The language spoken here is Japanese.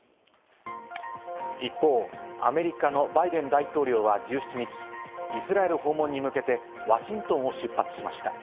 一方、アメリカのバイデン大統領は１７日、イスラエル訪問に向けて、ワシントンを出発しました。